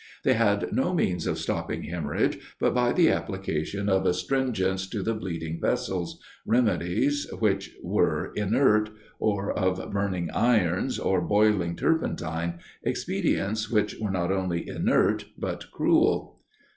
They had no means of stopping hemorrhage, but by the application of astringents to the bleeding vessels, remedies which were inert; or of burning irons, or boiling turpentine, expedients which were not only inert but cruel.